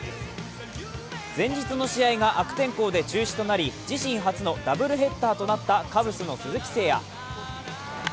前日の試合が悪天候で中止となり自身初のダブルヘッダーとなったカブスの鈴木誠也。